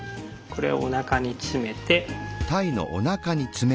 これをおなかに詰めて。